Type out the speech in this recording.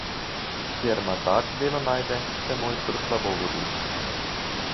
Kjer mazač delo najde, se mojstru slabo godi.